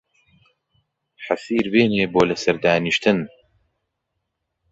حەسیر بێنێ بۆ لە سەر دانیشتن